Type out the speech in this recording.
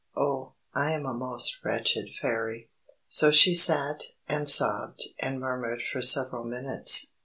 Oh, I am a most wretched Fairy!" So she sat, and sobbed, and murmured for several minutes.